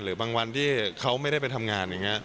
บางวันที่เขาไม่ได้ไปทำงานอย่างนี้